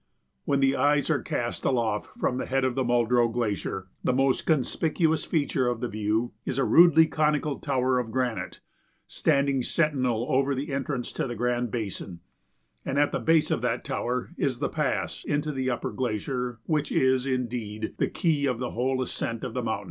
When the eyes are cast aloft from the head of the Muldrow Glacier the most conspicuous feature of the view is a rudely conical tower of granite, standing sentinel over the entrance to the Grand Basin, and at the base of that tower is the pass into the upper glacier which is, indeed, the key of the whole ascent of the mountain.